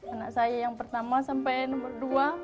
anak saya yang pertama sampai nomor dua